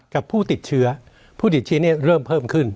กับผู้ติดเชื้อ